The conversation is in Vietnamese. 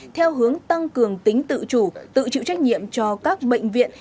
theo hướng tăng cường tính tự chủ tự chịu trách nhiệm cho các bệnh viện